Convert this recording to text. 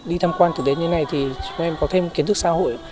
đi tham quan thực tế như này thì chúng em có thêm kiến thức xã hội